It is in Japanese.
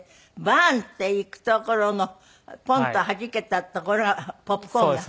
バーンっていくところのポンッとはじけたところはポップコーンが。